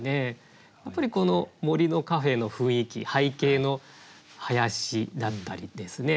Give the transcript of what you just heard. やっぱりこの「森のカフェ」の雰囲気背景の林だったりですね